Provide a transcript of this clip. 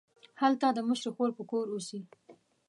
هلته د مشرې خور په کور کې اوسي.